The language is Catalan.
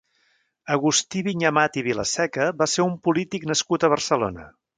Agustí Viñamata i Vilaseca va ser un polític nascut a Barcelona.